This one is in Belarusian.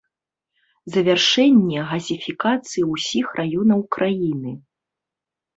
Завяршэнне газіфікацыі ўсіх раёнаў краіны.